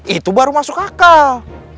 itu baru masuk akal